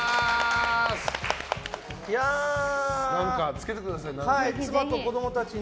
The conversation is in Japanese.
つけてください、何かに。